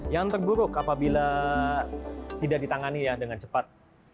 yang terburuk apabila tidak ditangani ya dengan cepat